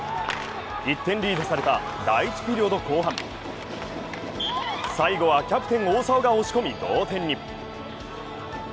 １点リードされた第１ピリオド後半最後はキャプテン大澤ちほが押し込み同点に。